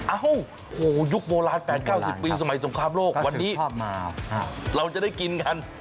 โอ้โหยุคโบราณ๘๙๐ปีสมัยสงครามโลกวันนี้เราจะได้กินกัน